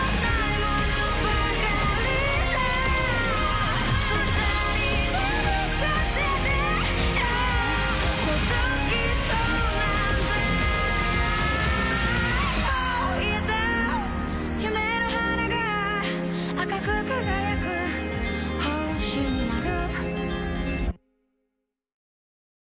もう消えた夢の花が赤く輝く星になる